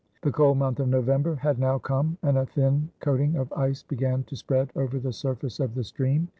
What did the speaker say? The cold month of November had now come, and a thin coat ing of ice began to spread over the surface of the stream.